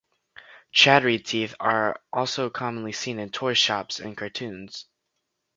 Chattery Teeth are also commonly seen in toy shops in cartoons.